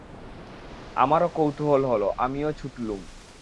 আমারও কৌতূহল হল, আমিও ছুটলুম।